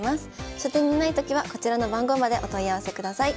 書店にないときはこちらの番号までお問い合わせください。